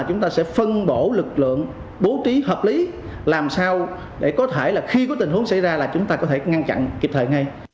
chúng ta sẽ phân bổ lực lượng bố trí hợp lý làm sao để có thể là khi có tình huống xảy ra là chúng ta có thể ngăn chặn kịp thời ngay